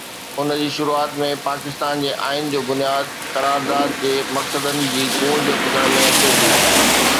ان جي شروعات ۾ پاڪستان جي آئين جو بنياد، قرارداد جي مقصدن جي گونج ٻڌڻ ۾ اچي ٿي.